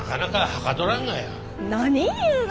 何言うが。